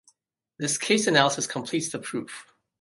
This case analysis completes the proof.